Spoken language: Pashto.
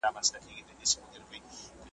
سپی را ولېږه چي دلته ما پیدا کړي `